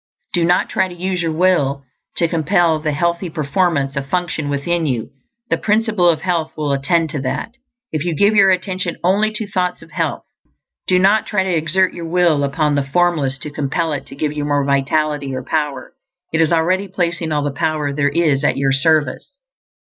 Do not try to use your will to compel the healthy performance of function within you. The Principle of Health will attend to that, if you give your attention only to thoughts of health. Do not try to exert your will upon the Formless to compel It to give you more vitality or power; it is already placing all the power there is at your service.